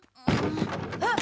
あっ！